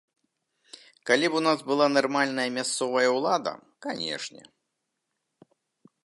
Калі б у нас была нармальная мясцовая ўлада, канешне.